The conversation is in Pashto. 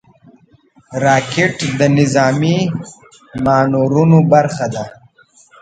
راکټ د نظامي مانورونو برخه ده